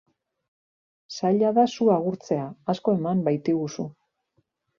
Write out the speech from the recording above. Zaila da zu agurtzea, asko eman baitiguzu.